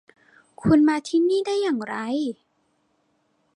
คุณมาที่นี่ได้อย่างไร ?